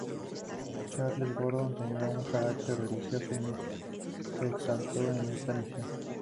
Charles Gordon tenía un carácter religioso y místico; se exaltó en esta misión.